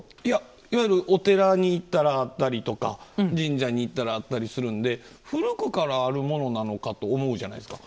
いわゆるお寺に行ったらあったりとか神社に行ったらあったりするんで古くからあるものなのかと思うじゃないですか。